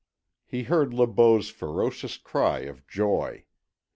He heard Le Beau's ferocious cry of joy.